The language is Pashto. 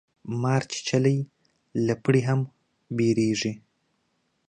مار چیچلی له پړي هم ویریږي